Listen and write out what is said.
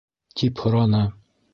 -тип һораны.